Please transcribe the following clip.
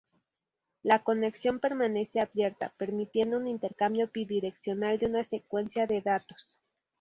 La conexión permanece abierta, permitiendo un intercambio bidireccional de una secuencia de datos.